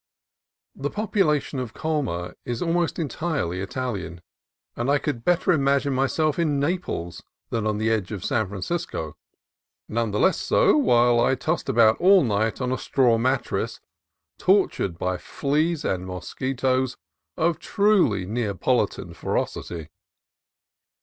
The population of Colma is almost entirely Italian, and I could better imagine myself in Naples than on the edge of San Francisco ; none the less so while I tossed about all night on a straw mattress, tor tured by fleas and mosquitoes of truly Neapolitan ferocity.